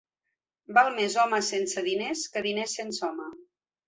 Val més home sense diners que diners sense home.